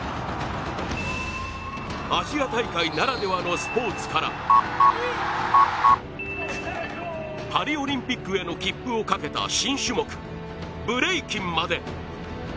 アジア大会ならではのスポーツからパリオリンピックへの切符をかけた新種目、ブレイキンまで。